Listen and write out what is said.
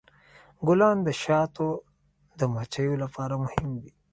ګلان د شاتو د مچیو لپاره مهم دي.